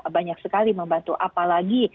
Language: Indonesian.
banyak sekali membantu apalagi